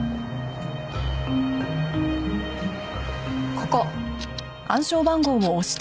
ここ。